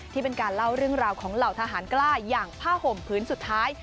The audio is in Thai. ที่เป็นการเล่าเรื่องราวของเหล่าทหารกล้าอย่างผ้าห่มพื้นสุดท้าย